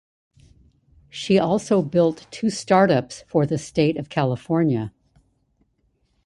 She also built two startups for the state of California.